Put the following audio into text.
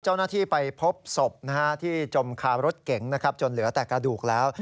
เจ้าหน้าที่ไปพบศพที่จมคารถเก๋งนะครับจนเหลือแต่กระดูกแล้ว